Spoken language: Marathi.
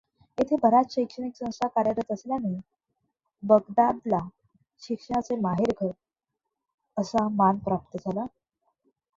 इथे बऱ्याच शैक्षणिक संस्था कार्यरत असल्याने बगदादला शिक्षणाचे माहेरघर असा मान प्राप्त झाला.